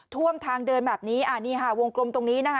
ท่วมทางเดินแบบนี้นี่ค่ะวงกลมตรงนี้นะคะ